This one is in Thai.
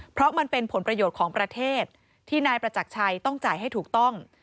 เพราะมันเป็นผลประโยชน์ของประเทศที่นายประจักรชัยต้องจ่ายให้ถูกต้อง